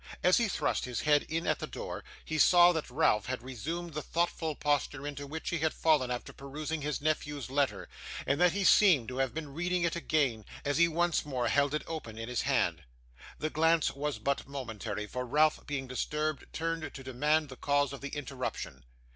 As he thrust his head in at the door, he saw that Ralph had resumed the thoughtful posture into which he had fallen after perusing his nephew's letter, and that he seemed to have been reading it again, as he once more held it open in his hand. The glance was but momentary, for Ralph, being disturbed, turned to demand the cause of the interruption.